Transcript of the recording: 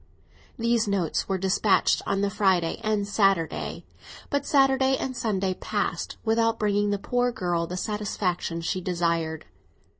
These notes were despatched on the Friday and Saturday; but Saturday and Sunday passed without bringing the poor girl the satisfaction she desired.